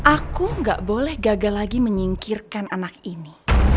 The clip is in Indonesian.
aku gak boleh gagal lagi menyingkirkan anak ini